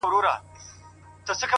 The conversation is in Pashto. د هیڅ شي یې کمی نه وو په بدن کي!!